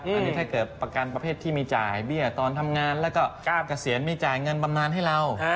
อันนี้ถ้าเกิดประกันประเภทที่มีจ่ายเบี้ยตอนทำงานแล้วก็เกษียณมีจ่ายเงินบำนานให้เรา